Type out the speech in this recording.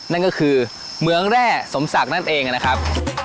นั่นก็คือเมืองแร่สมศักดิ์นั่นเองนะครับ